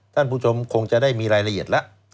ท่านผู้ชมคงจะได้มีรายละเอียดแล้ว